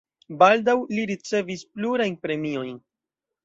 Baldaŭ li ricevis plurajn premiojn.